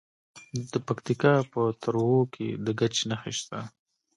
د پکتیکا په تروو کې د ګچ نښې شته.